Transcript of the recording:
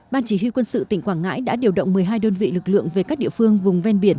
ban chỉ huy quân sự tỉnh quảng ngãi đã điều động một mươi hai đơn vị lực lượng về các địa phương vùng ven biển